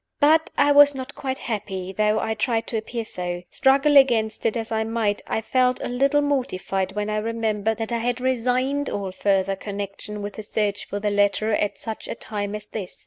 But I was not quite happy, though I tried to appear so. Struggle against it as I might, I felt a little mortified when I remembered that I had resigned all further connection with the search for the letter at such a time as this.